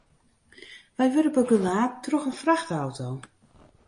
We wurde begelaat troch in frachtauto.